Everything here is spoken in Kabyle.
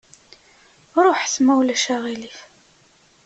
Ruḥet, ma ulac aɣilif!